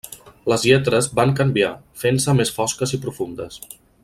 Les lletres van canviar, fent-se més fosques i profundes.